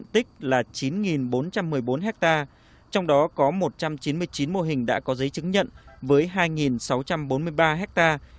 tích là chín bốn trăm một mươi bốn hectare trong đó có một trăm chín mươi chín mô hình đã có giấy chứng nhận với hai sáu trăm bốn mươi ba hectare